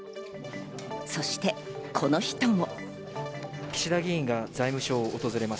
そして、この人も。